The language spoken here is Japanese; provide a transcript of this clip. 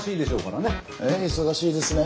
ええ忙しいですね。